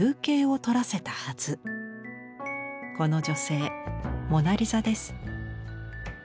この女性モナ・リザです。